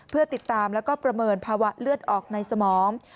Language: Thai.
เพื่อติดตามแล้วก็ประเมินภาวะเลือดออกในสมอง